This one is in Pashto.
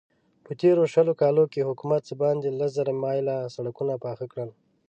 په تېرو شلو کالو کې حکومت څه باندې لس زره مايله سړکونه پاخه کړل.